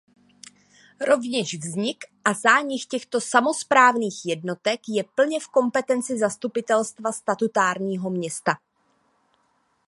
Rovněž vznik a zánik těchto samosprávných jednotek je plně v kompetenci zastupitelstva statutárního města.